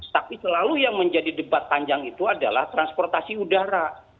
tapi selalu yang menjadi debat panjang itu adalah transportasi udara